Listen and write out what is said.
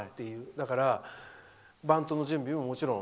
だから、バントの準備ももちろん。